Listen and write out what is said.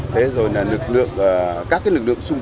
thế rồi là lực lượng